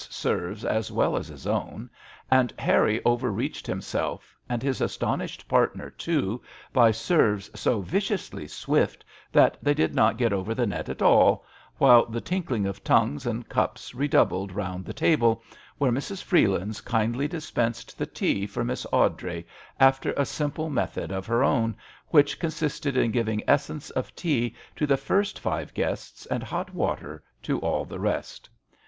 I9S serves as well as his own and Harry overreached himself, and his astonished partner too, by serves so viciously swift that they did not get over the net at all, while the tinkling of tongues and cups redoubled round the table, where Mrs. Freelands kindly dispensed the tea for Miss Awdrey after a simple method of her own, which consisted in giving essence of tea to the first five guests and hot water to all the rest.